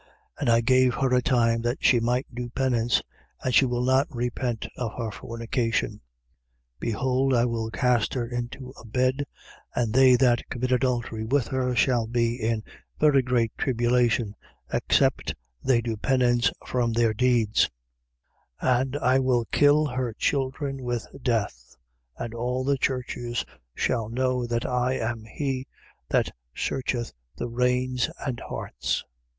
2:21. And I gave her a time that she might do penance: and she will not repent of her fornication. 2:22. Behold, I will cast her into a bed: and they that commit adultery with her shall be in very great tribulation, except they do penance from their deeds, 2:23. And I will kill her children with death: and all the churches shall know that I am he that searcheth the reins and hearts.